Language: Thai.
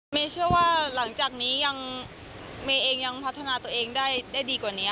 เชื่อว่าหลังจากนี้เมย์เองยังพัฒนาตัวเองได้ดีกว่านี้